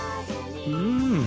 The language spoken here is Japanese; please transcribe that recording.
うん。